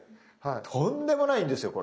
とんでもないんですよこれ。